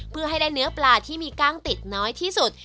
เพื่อให้ได้เนื้อปลาที่มีกล้างติดน้อยที่สุด